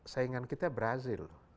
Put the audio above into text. saingan kita brazil